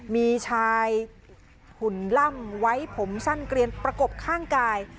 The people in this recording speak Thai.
มีชายหุ่นล่ำไว้ผมสั้นเกลียนประกบข้างกาย